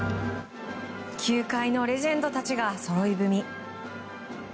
球界のレジェンドたちがそろい踏み。